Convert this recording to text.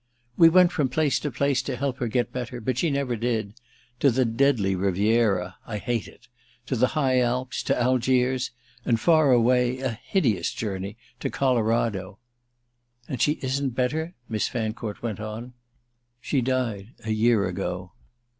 "We went from place to place to help her to get better. But she never did. To the deadly Riviera (I hate it!) to the high Alps, to Algiers, and far away—a hideous journey—to Colorado." "And she isn't better?" Miss Fancourt went on. "She died a year ago."